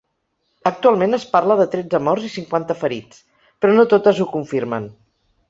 Actualment es parla de tretze morts i cinquanta ferits, però no totes ho confirmen.